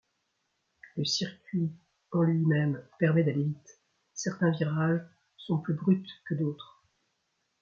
Le circuit en lui-même permet d'aller vite, certains virages sont plus bruts que d'autres.